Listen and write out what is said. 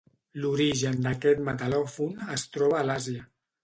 L'origen d'aquest metal·lòfon es troba a l'Àsia.